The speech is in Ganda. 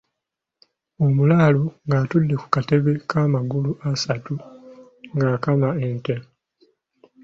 Omulaalo ng'atudde ku katebe ak'amagulu asatu ng'akama ente.